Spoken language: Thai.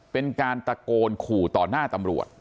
เป็นการตะโกนขู่ต่อหน้าตำรวจ